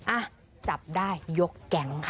อ่ะจับได้ยกแก๊งค่ะ